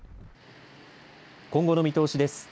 今後の見通しです。